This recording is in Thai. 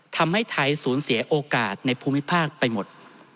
ทำให้ไทยสูญเสียโอกาสในภูมิภาคไปหมด